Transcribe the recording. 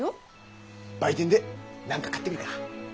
売店で何か買ってくるか。